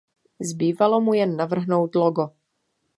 Zbývalo mu jen navrhnout logo.